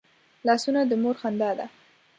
لاسونه د مور خندا ده